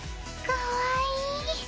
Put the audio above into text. かわいい。